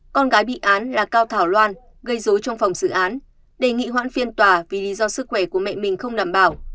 con gái bị án là cao thảo loan gây dối trong phòng xử án đề nghị hoãn phiên tòa vì lý do sức khỏe của mẹ mình không đảm bảo